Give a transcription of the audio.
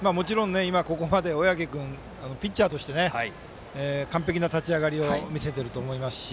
今、ここまで小宅君ピッチャーとして完璧な立ち上がりを見せてると思いますし